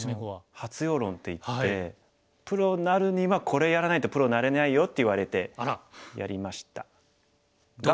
「発陽論」っていって「プロになるにはこれやらないとプロになれないよ」って言われてやりましたが。